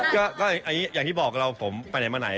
ก็อย่างที่บอกเราผมไปไหนมาไหน